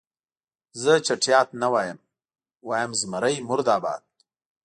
زه چټیات نه وایم، وایم زمري مرده باد.